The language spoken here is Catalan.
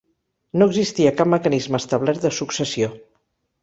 No existia cap mecanisme establert de successió.